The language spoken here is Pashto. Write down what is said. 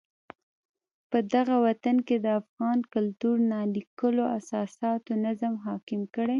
پدغه وطن کې د افغان کلتور نا لیکلو اساساتو نظم حاکم کړی.